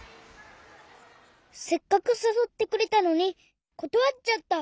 せっかくさそってくれたのにことわっちゃった。